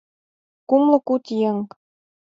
Кумло куд еҥ!